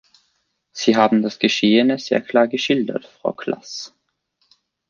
Sie haben das Geschehene sehr klar geschildert, Frau Klass.